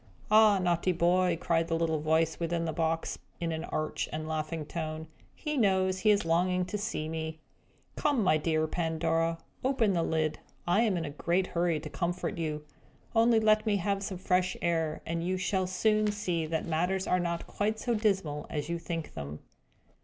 "Ah, naughty boy!" cried the little voice within the box, in an arch and laughing tone. "He knows he is longing to see me. Come, my dear Pandora, lift up the lid. I am in a great hurry to comfort you. Only let me have some fresh air, and you shall soon see that matters are not quite so dismal as you think them!"